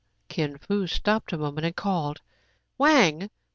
Kin Fo stopped a moment, and called, — "Wang!